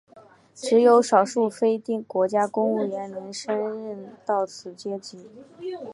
只有少数非国家公务员能升任到此阶级。